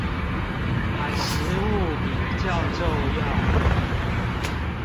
買食物比較重要